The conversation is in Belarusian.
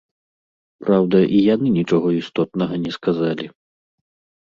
Праўда, і яны нічога істотнага не сказалі.